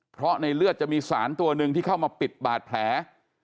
เพราะในเลือดจะมีสารตัวหนึ่งที่เข้ามาปิดบาดแผล